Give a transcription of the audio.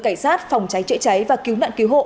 cảnh sát phòng cháy chữa cháy và cứu nạn cứu hộ